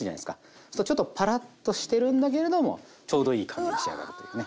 そうするとちょっとパラッとしてるんだけれどもちょうどいい感じに仕上がるというね。